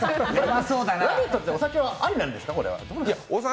「ラヴィット！」ってお酒はありなんですか？